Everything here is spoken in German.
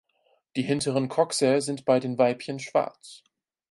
Die hinteren Coxae sind bei den Weibchen schwarz.